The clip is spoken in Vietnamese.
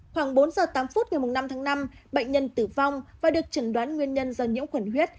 khoảng bốn giờ tám phút ngày năm tháng năm bệnh nhân tử vong và được chẩn đoán nguyên nhân do nhiễm khuẩn huyết